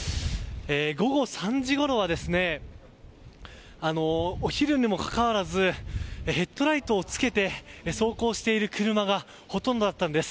午後３時ごろはお昼にもかかわらずヘッドライトをつけて走行している車がほとんどだったんです。